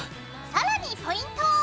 さらにポイント！